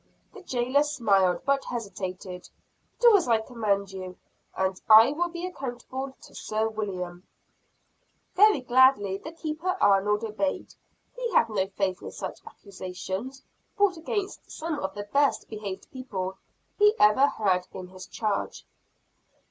The jailer smiled, but hesitated. "Do as I command you, and I will be accountable to Sir William." Very gladly did Keeper Arnold obey he had no faith in such accusations, brought against some of the best behaved people he ever had in his charge.